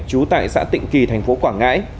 trú tại xã tịnh kỳ tp quảng ngãi